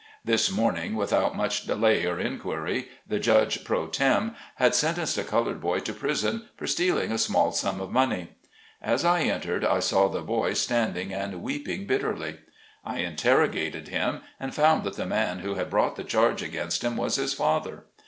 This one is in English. This morning without much delay or inquiry, the judge pro tem had sentenced a colored boy to prison for stealing a small sum of money. As I entered I saw the boy standing and weeping bitterly. I interrogated him, and found that the man who had brought the charge against him was his father.